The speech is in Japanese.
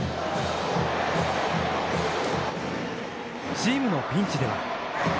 チームのピンチでは。